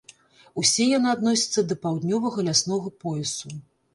Усе яны адносяцца да паўднёвага ляснога поясу.